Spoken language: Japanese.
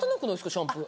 シャンプー。